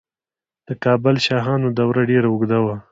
د کابل شاهانو دوره ډیره اوږده وه